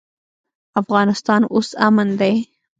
افغانستان اوس امن دی.